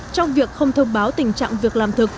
trong việc không thông báo tình trạng việc làm thực